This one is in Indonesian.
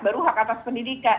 baru hak atas pendidikan